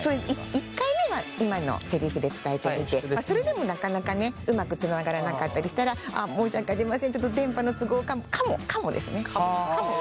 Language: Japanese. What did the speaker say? １回目は今のセリフで伝えてみてそれでもなかなかねうまくつながらなかったりしたら申し訳ありませんちょっと「かも」ですね。